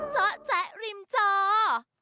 จ๊ะแจ๊ะริมเจ้า